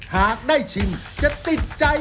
หากได้ชิมจะติดใจ